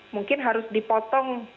mungkin harus dipotong